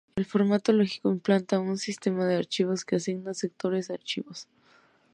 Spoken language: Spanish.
El formato lógico implanta un sistema de archivos que asigna sectores a archivos.